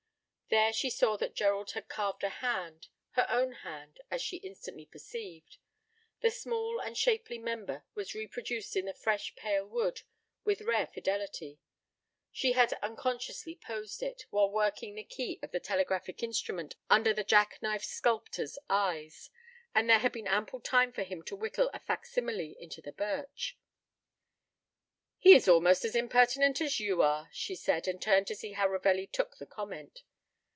There she saw that Gerald had carved a hand her own hand, as she instantly perceived. The small and shapely member was reproduced in the fresh, pale wood with rare fidelity. She had unconsciously posed it, while working the key of the telegraphic instrument under the jack knife sculptor's eyes, and there had been ample time for him to whittle a fac simile into the birch. "He is almost as impertinent as you are," she said, and turned to see how Ravelli took the comment.